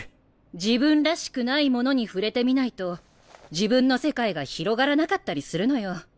自分らしくないものに触れてみないと自分の世界が広がらなかったりするのよ。